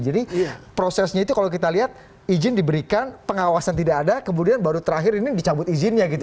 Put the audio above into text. jadi prosesnya itu kalau kita lihat izin diberikan pengawasan tidak ada kemudian baru terakhir ini dicabut izinnya gitu